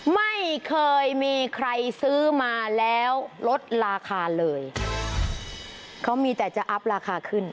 ไม่เคยมีใครซื้อมาแล้วลดราคาเลยเขามีแต่จะอัพราคาขึ้น